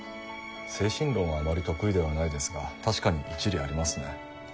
精神論はあまり得意ではないですが確かに一理ありますね。